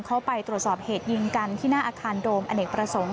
เข้าไปตรวจสอบเหตุยิงกันที่หน้าอาคารโดมอเนกประสงค์